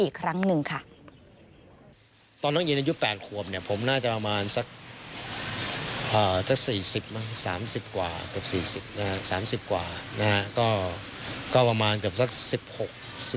เกือบสามสิบกว่านะฮะก็ก็ประมาณเกือบสักสิบหก